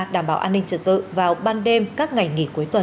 đảm bảo an ninh trật tự vào ban đêm các ngày nghỉ cuối tuần